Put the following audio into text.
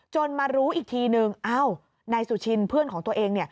มารู้อีกทีนึงนายสุชินเพื่อนของตัวเอง